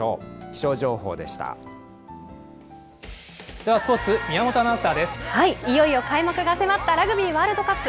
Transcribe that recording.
ではスポーツ、いよいよ開幕が迫ったラグビーワールドカップ。